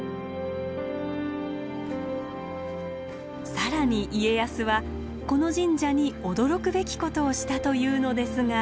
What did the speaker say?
更に家康はこの神社に驚くべきことをしたというのですが。